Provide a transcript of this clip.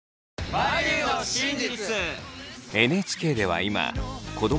「バリューの真実」！